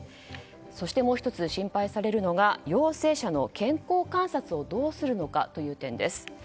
そして、もう１つ心配されるのが陽性者の健康観察をどうするかという点です。